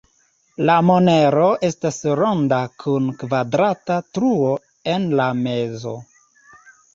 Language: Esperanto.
La monero estas ronda kun kvadrata truo en la mezo.